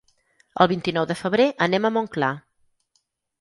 El vint-i-nou de febrer anem a Montclar.